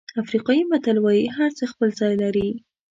افریقایي متل وایي هرڅه خپل ځای لري.